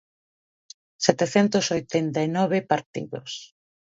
Setecentos oitenta e nove partidos.